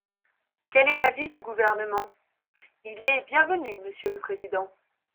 Quel est l’avis du Gouvernement ? Il est bienvenu, monsieur le président.